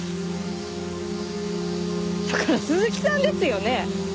だから鈴木さんですよね？